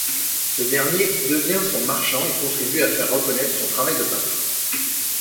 Ce dernier devient son marchand et contribue à faire reconnaître son travail de peintre.